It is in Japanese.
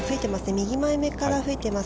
右前目から吹いています。